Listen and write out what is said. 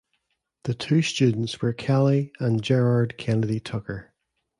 The two students were Kelly and Gerard Kennedy Tucker.